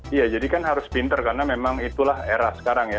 iya jadi kan harus pinter karena memang itulah era sekarang ya